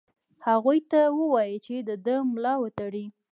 هغوی ته ووايی چې د ده ملا وتړي.